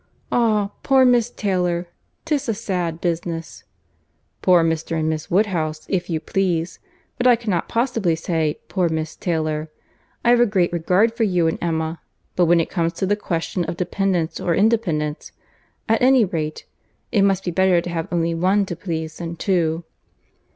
"Ah! poor Miss Taylor! 'Tis a sad business." "Poor Mr. and Miss Woodhouse, if you please; but I cannot possibly say 'poor Miss Taylor.' I have a great regard for you and Emma; but when it comes to the question of dependence or independence!—At any rate, it must be better to have only one to please than two."